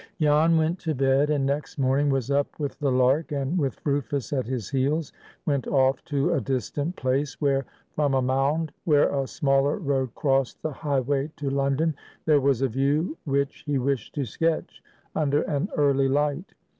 Jan went to bed, and next morning was up with the lark, and with Rufus at his heels went off to a distant place, where from a mound, where a smaller road crossed the highway to London, there was a view which he wished to sketch under an early light.